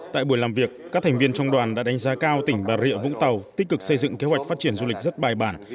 tại buổi làm việc các thành viên trong đoàn đã đánh giá cao tỉnh bà rịa vũng tàu tích cực xây dựng kế hoạch phát triển du lịch rất bài bản